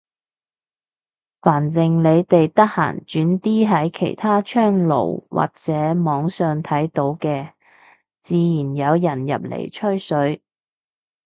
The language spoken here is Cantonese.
反正你哋得閒轉啲喺其他窗爐或者網上睇到嘅，自然有人入嚟吹水。